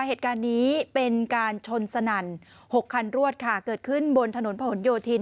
เหตุการณ์นี้เป็นการชนสนั่นหกคันรวดค่ะเกิดขึ้นบนถนนผนโยธิน